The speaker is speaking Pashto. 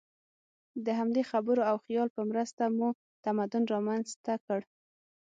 د همدې خبرو او خیال په مرسته مو تمدن رامنځ ته کړ.